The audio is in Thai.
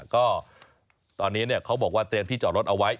ก็ตอนนี้เขาบอกว่าเตรียมที่จอดรถเอาไว้